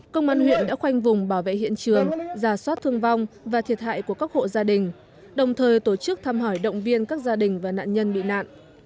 công an huyện đã khoanh vùng bảo vệ hiện trường giả soát thương vong và thiệt hại của các hộ gia đình đồng thời tổ chức thăm hỏi động viên các gia đình và nạn nhân bị nạn